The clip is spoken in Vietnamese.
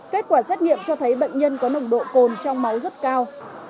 kết quả xét nghiệm cho thấy bệnh nhân có nồng độ cồn trong máu rất cao